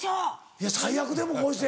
いや最悪でもこうして。